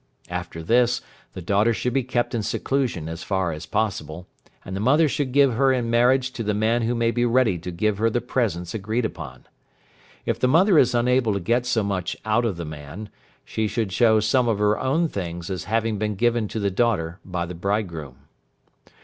After this the daughter should be kept in seclusion as far as possible, and the mother should give her in marriage to the man who may be ready to give her the presents agreed upon. If the mother is unable to get so much out of the man, she should show some of her own things as having been given to the daughter by the bridegroom.